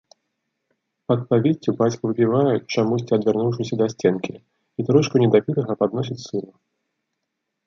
Пад павеццю бацька выпівае, чамусьці адвярнуўшыся да сценкі, і трошку недапітага падносіць сыну.